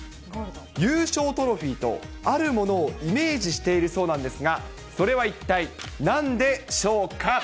優勝トロフィーと、あるものをイメージしているそうなんですが、それは一体なんでしょうか。